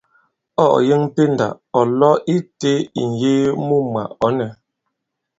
Ɔ̂ ɔ̀ yeŋ pendà ɔ̀ lo itē ì-ŋ̀yee mu mwà, ɔ̌ nɛ̄.